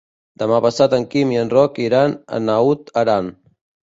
Demà passat en Quim i en Roc iran a Naut Aran.